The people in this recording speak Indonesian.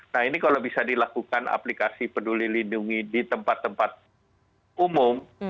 nah ini kalau bisa dilakukan aplikasi peduli lindungi di tempat tempat umum